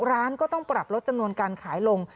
ร้านก็ต้องปรับลดจำนวนการขายลง